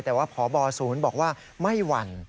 แต่ว่าพบศูนย์บอกว่าไม่หวั่น